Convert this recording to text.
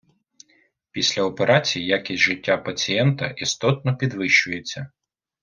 Після операції якість життя пацієнта істотно підвищується.